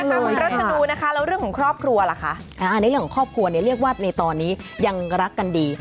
มาคุณรัชนูนะคะแล้วเรื่องของครอบครัวล่ะคะในเรื่องของครอบครัวเนี่ยเรียกว่าในตอนนี้ยังรักกันดี